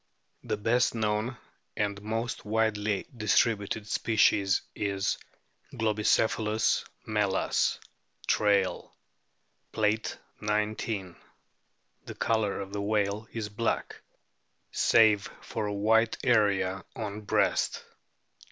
The best known and most widely distributed species is Globicephalus melas, Traill.f (Plate XIX.) The colour of the whale is black save for a white area on breast.